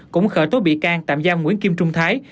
cũng khởi tố bị can tạm giam nguyễn kim trung thái